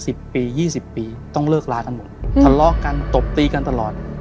สิบปียี่สิบปีต้องเลิกลากันหมดทะเลาะกันตบตีกันตลอด